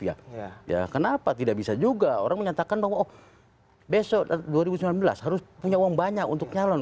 ya kenapa tidak bisa juga orang menyatakan bahwa oh besok dua ribu sembilan belas harus punya uang banyak untuk nyalon